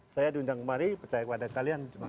saya diundang kemari percaya kepada kalian